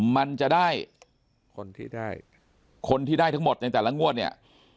มันจะได้คนที่ได้คนที่ได้ทั้งหมดในแต่ละงวดเนี่ย